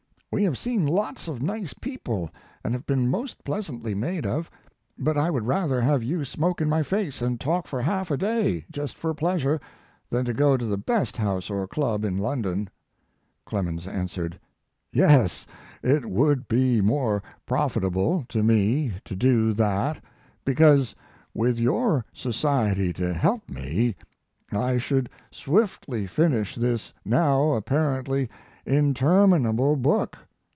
We have seen lots of nice people, and have been most pleasantly made of; but I would rather have you smoke in my face and talk for half a day, just for pleasure, than to go to the best house or club in London. Clemens answered: Yes, it would be more profitable to me to do that because, with your society to help me, I should swiftly finish this now apparently interminable book.